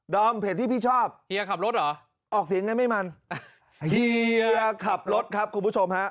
เพจที่พี่ชอบเฮียขับรถเหรอออกเสียงไงไม่มันเฮียขับรถครับคุณผู้ชมฮะ